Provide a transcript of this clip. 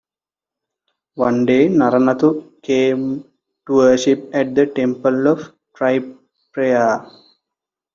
One day Naranathu came to worship at the temple of Triprayar.